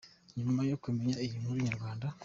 Nyuma yo kumenya iyi nkuru , inyarwanda.